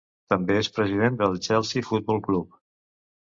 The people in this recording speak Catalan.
També és president del Chelsea Football Club.